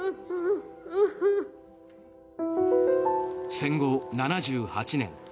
戦後７８年。